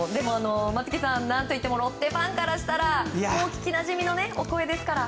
松木さん、何といってもロッテファンからしたら聞きなじみのお声ですから。